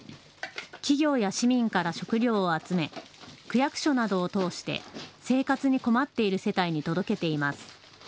企業や市民から食料を集め区役所などを通して生活に困っている世帯に届けています。